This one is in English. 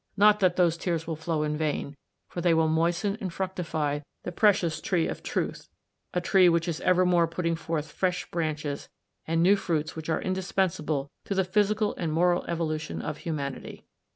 Not that her tears will flow in vain, for those tears will moisten and fructify the precious tree of Truth ; a tree which is evermore put ting forth fresh branches and new fruits which are indispensable to the physical and moral evolution of humanity."